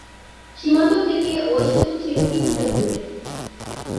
সীমান্ত থেকে ওই সেতু ছিল কিছুটা দূরে।